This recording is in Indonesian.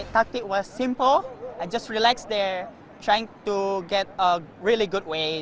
taktik saya adalah sederhana saya hanya relaks di sana mencoba untuk mendapatkan cara yang sangat baik